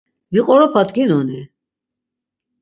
Viqoropat ginoni?